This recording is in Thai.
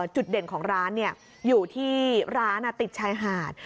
จุดเด่นของร้านอยู่ที่ร้านติดชายหาด